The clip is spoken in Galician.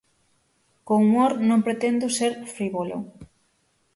Co humor non pretendo ser frívolo.